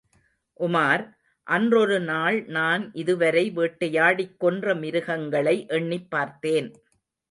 உமார், அன்றொரு நாள் நான் இதுவரை வேட்டிையாடிக் கொன்ற மிருகங்களை எண்ணிப்பார்த்தேன்.